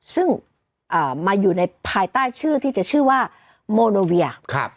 ซึ่งมาอยู่ในภายใต้ชื่อที่จะชื่อว่าโมโนเวีย